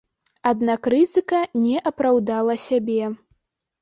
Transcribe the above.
Аднак рызыка не апраўдала сябе.